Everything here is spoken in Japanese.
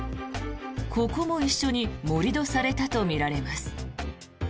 ここも一緒に盛り土されたとみられます。